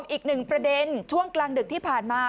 อีกหนึ่งประเด็นช่วงกลางดึกที่ผ่านมา